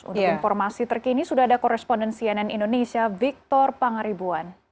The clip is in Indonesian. untuk informasi terkini sudah ada koresponden cnn indonesia victor pangaribuan